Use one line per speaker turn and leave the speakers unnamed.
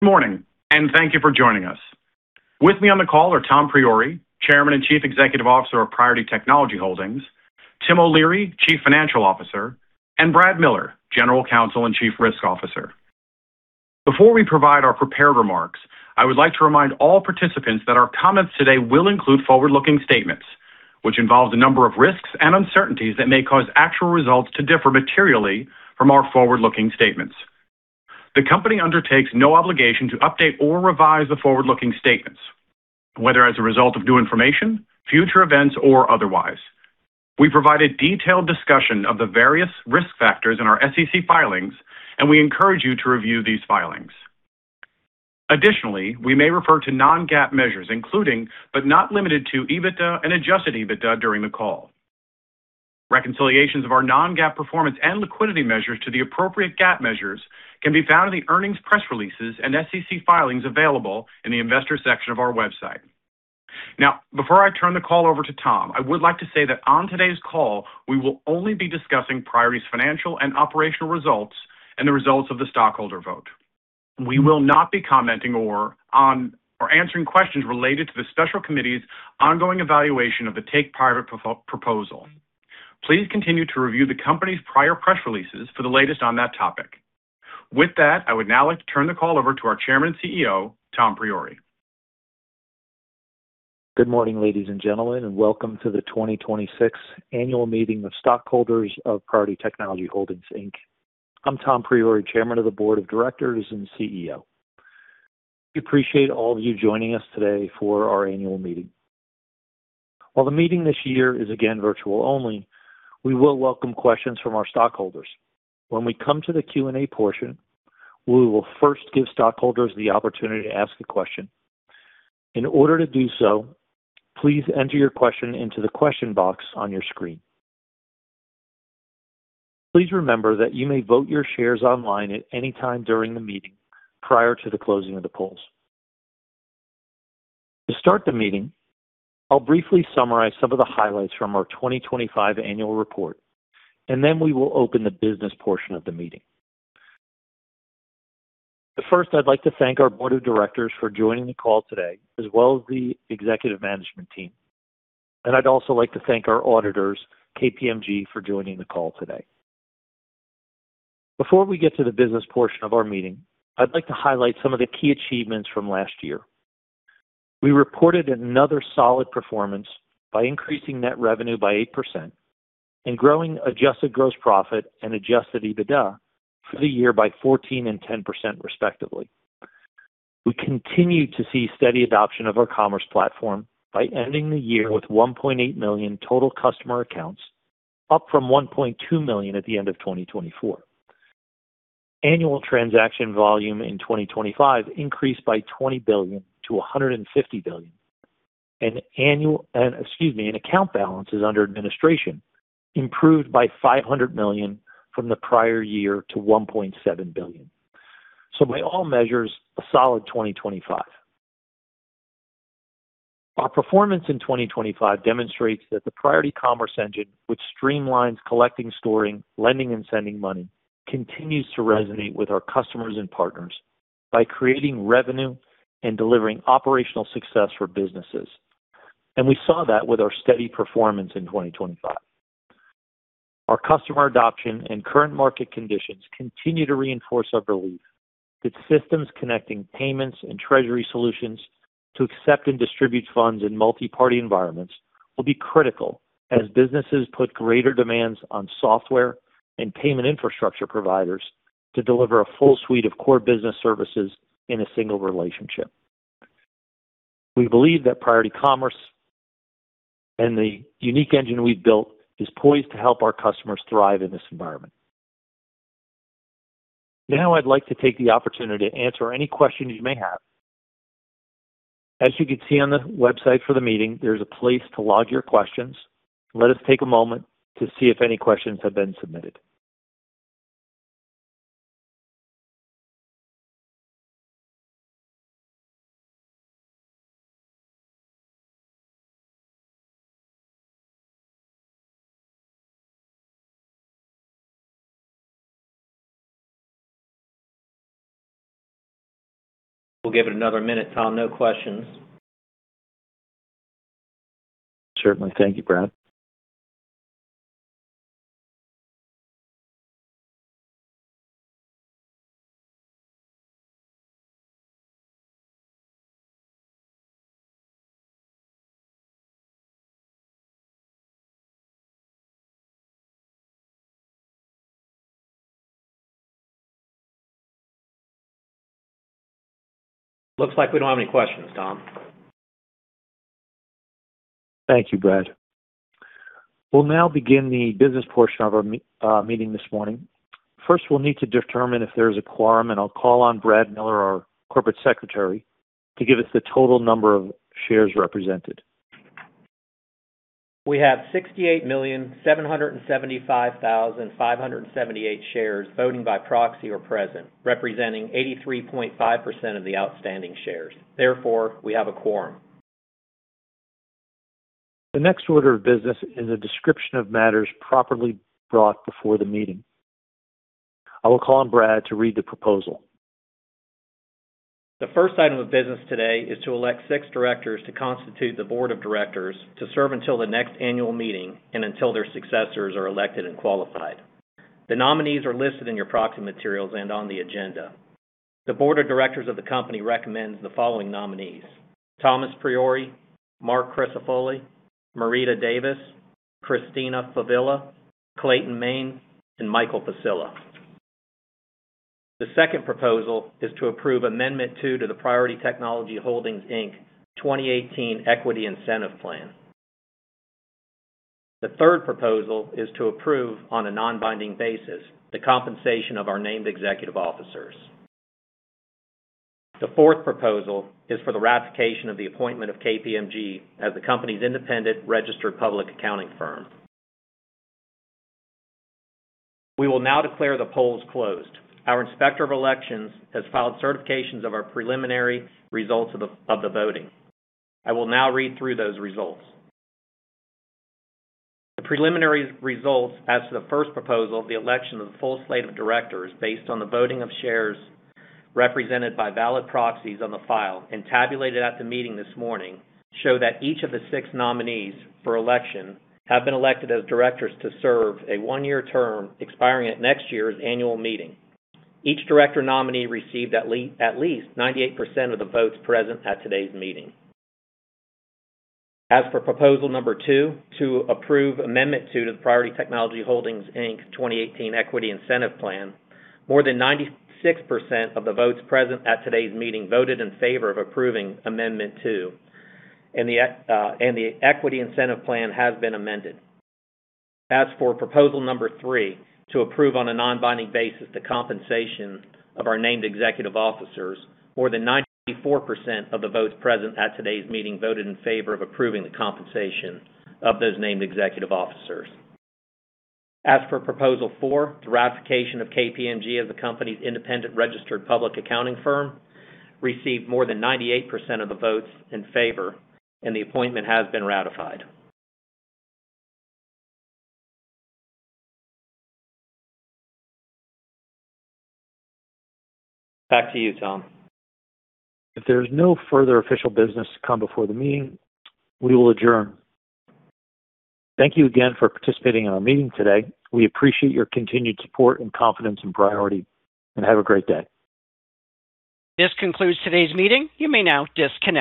Morning, thank you for joining us. With me on the call are Tom Priore, Chairman and Chief Executive Officer of Priority Technology Holdings, Tim O'Leary, Chief Financial Officer, and Brad Miller, General Counsel and Chief Risk Officer. Before we provide our prepared remarks, I would like to remind all participants that our comments today will include forward-looking statements, which involve a number of risks and uncertainties that may cause actual results to differ materially from our forward-looking statements. The company undertakes no obligation to update or revise the forward-looking statements, whether as a result of new information, future events, or otherwise. We provide a detailed discussion of the various risk factors in our SEC filings. We encourage you to review these filings. Additionally, we may refer to non-GAAP measures, including, but not limited to EBITDA and adjusted EBITDA during the call. Reconciliations of our non-GAAP performance and liquidity measures to the appropriate GAAP measures can be found in the earnings press releases and SEC filings available in the investor section of our website. Before I turn the call over to Tom, I would like to say that on today's call, we will only be discussing Priority's financial and operational results and the results of the stockholder vote. We will not be commenting on or answering questions related to the special committee's ongoing evaluation of the take private proposal. Please continue to review the company's prior press releases for the latest on that topic. I would now like to turn the call over to our Chairman and CEO, Tom Priore.
Good morning, ladies and gentlemen, welcome to the 2026 Annual Meeting of Stockholders of Priority Technology Holdings, Inc. I'm Tom Priore, Chairman of the Board of Directors and CEO. We appreciate all of you joining us today for our annual meeting. While the meeting this year is again virtual only, we will welcome questions from our stockholders. When we come to the Q&A portion, we will first give stockholders the opportunity to ask a question. In order to do so, please enter your question into the question box on your screen. Please remember that you may vote your shares online at any time during the meeting prior to the closing of the polls. To start the meeting, I'll briefly summarize some of the highlights from our 2025 annual report. We will open the business portion of the meeting. First, I'd like to thank our board of directors for joining the call today, as well as the executive management team. I'd also like to thank our auditors, KPMG, for joining the call today. Before we get to the business portion of our meeting, I'd like to highlight some of the key achievements from last year. We reported another solid performance by increasing net revenue by 8% and growing adjusted gross profit and adjusted EBITDA for the year by 14% and 10%, respectively. We continued to see steady adoption of our commerce platform by ending the year with 1.8 million total customer accounts, up from 1.2 million at the end of 2024. Annual transaction volume in 2025 increased by 20 billion to 150 billion. Account balances under administration improved by $500 million from the prior year to $1.7 billion. By all measures, a solid 2025. Our performance in 2025 demonstrates that the Priority Commerce Engine, which streamlines collecting, storing, lending, and sending money, continues to resonate with our customers and partners by creating revenue and delivering operational success for businesses. We saw that with our steady performance in 2025. Our customer adoption and current market conditions continue to reinforce our belief that systems connecting payments and treasury solutions to accept and distribute funds in multi-party environments will be critical as businesses put greater demands on software and payment infrastructure providers to deliver a full suite of core business services in a single relationship. We believe that Priority Commerce and the unique engine we've built is poised to help our customers thrive in this environment. I'd like to take the opportunity to answer any questions you may have. As you can see on the website for the meeting, there's a place to log your questions. Let us take a moment to see if any questions have been submitted.
We'll give it another minute, Tom. No questions.
Certainly. Thank you, Brad.
Looks like we don't have any questions, Tom.
Thank you, Brad. We'll now begin the business portion of our meeting this morning. First, we'll need to determine if there is a quorum. I'll call on Brad Miller, our Corporate Secretary, to give us the total number of shares represented.
We have 68,775,578 shares voting by proxy or present, representing 83.5% of the outstanding shares. We have a quorum.
The next order of business is a description of matters properly brought before the meeting. I will call on Brad to read the proposal.
The first item of business today is to elect six directors to constitute the Board of Directors to serve until the next annual meeting and until their successors are elected and qualified. The nominees are listed in your proxy materials and on the agenda. The Board of Directors of the company recommends the following nominees: Tom Priore, Marc Crisafulli, Marietta Colston-Davis, Christina Favilla, Clayton Main, and Michael Passilla. The second proposal is to approve Amendment 2 to the Priority Technology Holdings, Inc. 2018 Equity Incentive Plan. The third proposal is to approve, on a non-binding basis, the compensation of our named executive officers. The fourth proposal is for the ratification of the appointment of KPMG as the company's Independent Registered Public Accounting Firm. We will now declare the polls closed. Our inspector of elections has filed certifications of our preliminary results of the voting. I will now read through those results. The preliminary results as to the first proposal, the election of the full slate of directors, based on the voting of shares represented by valid proxies on the file and tabulated at the meeting this morning, show that each of the six nominees for election have been elected as directors to serve a one-year term expiring at next year's annual meeting. Each director nominee received at least 98% of the votes present at today's meeting. As for Proposal 2, to approve Amendment 2 to the Priority Technology Holdings, Inc. 2018 Equity Incentive Plan, more than 96% of the votes present at today's meeting voted in favor of approving Amendment 2. The equity incentive plan has been amended. As for Proposal 3, to approve on a non-binding basis the compensation of our named executive officers, more than 94% of the votes present at today's meeting voted in favor of approving the compensation of those named executive officers. As for Proposal 4, the ratification of KPMG as the company's independent registered public accounting firm, received more than 98% of the votes in favor, and the appointment has been ratified. Back to you, Tom.
If there's no further official business to come before the meeting, we will adjourn. Thank you again for participating in our meeting today. We appreciate your continued support and confidence in Priority, and have a great day.
This concludes today's meeting. You may now disconnect.